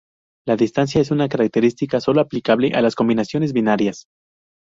La distancia es una característica sólo aplicable a las combinaciones binarias.